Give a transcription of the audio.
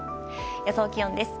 予想気温です。